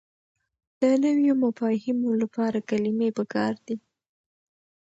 د نويو مفاهيمو لپاره کلمې پکار دي.